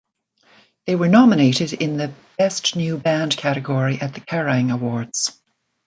They were nominated in The Best New Band Category at the Kerrang Awards.